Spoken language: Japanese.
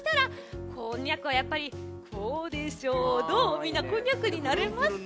みんなこんにゃくになれますか？